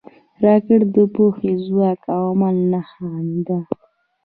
راکټ د پوهې، ځواک او عمل نښان دی